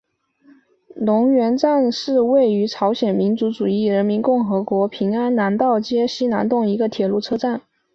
龙源里站是位于朝鲜民主主义人民共和国平安南道价川市西南洞的一个铁路车站。